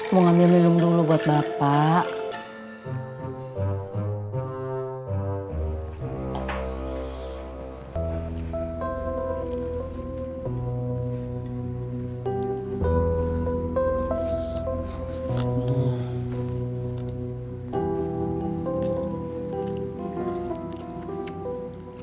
mau ngambil minum dulu buat bapak